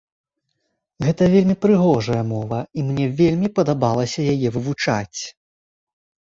Гэта вельмі прыгожая мова і мне вельмі падабалася яе вывучаць!